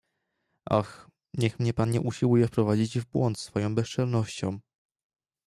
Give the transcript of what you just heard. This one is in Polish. "Och, niech mnie pan nie usiłuje wprowadzić w błąd swoją bezczelnością."